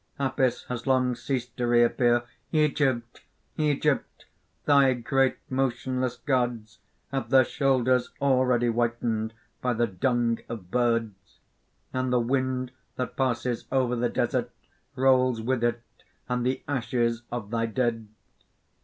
Apis has long ceased to reappear. "Egypt! Egypt! thy great motionless gods have their shoulders already whitened by the dung of birds; and the wind that passes over the desert rolls with it and the ashes of thy dead!